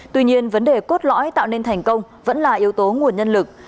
tuy nhiên vấn đề cốt lõi tạo nên thành công vẫn là yếu tố nguồn nhân lực